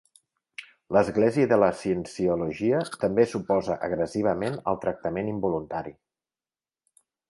L'església de la cienciologia també s'oposa agressivament al tractament involuntari.